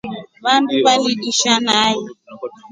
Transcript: Vandu validisha nai.